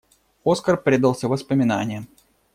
Оскар предался воспоминаниям.